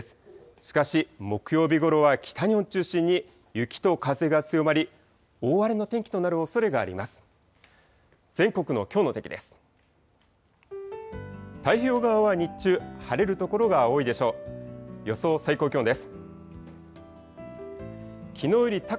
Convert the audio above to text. しかし、木曜日ごろは北日本を中心に、雪と風が強まり、大荒れの天気となるおそれがあります。